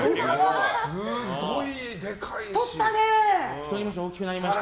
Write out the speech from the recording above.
すごいでかいし。